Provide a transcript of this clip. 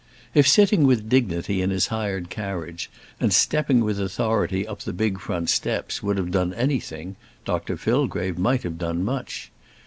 If sitting with dignity in his hired carriage, and stepping with authority up the big front steps, would have done anything, Dr Fillgrave might have done much.